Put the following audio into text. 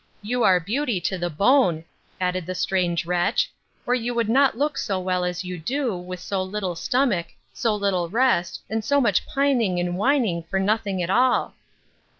You are beauty to the bone, added the strange wretch, or you could not look so well as you do, with so little stomach, so little rest, and so much pining and whining for nothing at all.